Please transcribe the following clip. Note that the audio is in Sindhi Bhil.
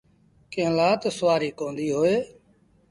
ڪݩهݩ لآ تا سُوآريٚ ڪونديٚ هوئي ديٚ۔